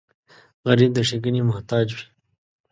غریب د ښېګڼې محتاج وي